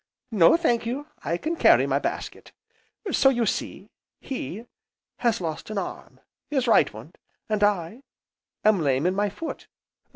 No thank you, I can carry my basket. So you see, he has lost an arm, his right one, and I am lame in my foot.